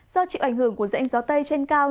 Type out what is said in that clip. do chịu ảnh hưởng của rãnh gió tây trên cao